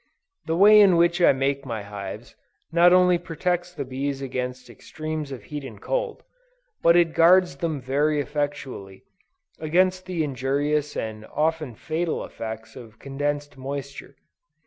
The way in which I make my hives, not only protects the bees against extremes of heat and cold, but it guards them very effectually, against the injurious and often fatal effects of condensed moisture.